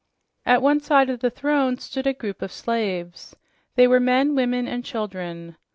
At one side of the throne stood a group of slaves. They were men, women and children.